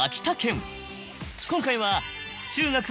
今回は。